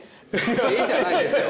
「え？」じゃないですよ。